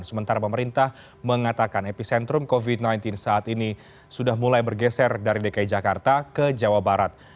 sementara pemerintah mengatakan epicentrum covid sembilan belas saat ini sudah mulai bergeser dari dki jakarta ke jawa barat